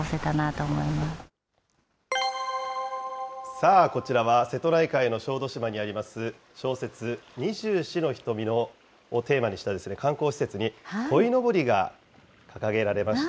さあ、こちらは瀬戸内海の小豆島にあります小説、二十四の瞳をテーマにした観光施設にこいのぼりが掲げられました。